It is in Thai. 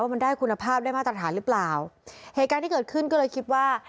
มันได้คุณภาพได้มาตรฐานหรือเปล่าเหตุการณ์ที่เกิดขึ้นก็เลยคิดว่า